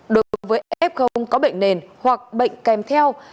đối với f có bệnh nền hoặc bệnh kèm theo